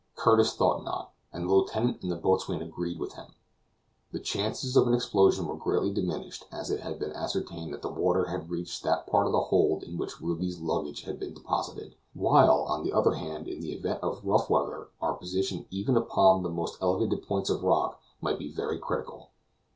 Curtis thought not; and the lieutenant and the boatswain agreed with him. The chances of an explosion were greatly diminished, as it had been ascertained that the water had reached that part of the hold in which Ruby's luggage had been deposited; while, on the other hand, in the event of rough weather, our position even upon the most elevated points of rock might be very critical.